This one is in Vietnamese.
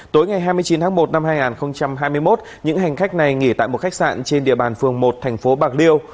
tối ngày hai mươi chín tháng một năm hai nghìn hai mươi một những hành khách này nghỉ tại một khách sạn trên địa bàn phường một thành phố bạc liêu